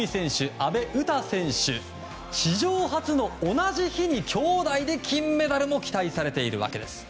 阿部詩選手、史上初の同じ日に兄妹で金メダルも期待されているわけです。